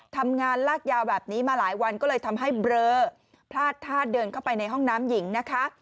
ทำงานลากยาวแบบนี้มาหลายวันก็เลยทำให้เบลอพลาดธาตุเดินเข้าไปในห้องน้ำหญิงนะคะ